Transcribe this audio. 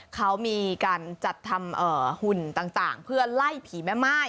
เขามีการจัดทำหุ่นต่างเพื่อไล่ผีแม่ม่าย